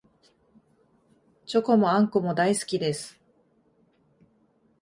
チョコもあんこも大好きです